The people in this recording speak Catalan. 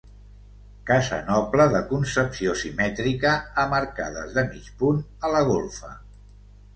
Casa noble de concepció simètrica amb arcades de mig punt a la golfa.